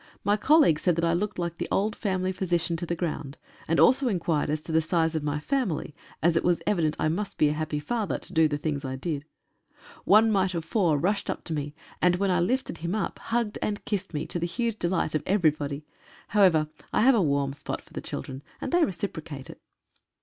My colleagues said that I looked the old family physi cian to the ground, and also inquired as to the size of my family, as it was evident I must be a happy father to do the things I did. One mite of four rushed up to me, and when I lifted him up, hugged and kissed me, to the huge delight of everybody. However, I have a warm spot for the children, and they reciprocate it.